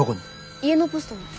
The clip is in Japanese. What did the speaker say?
家のポストに。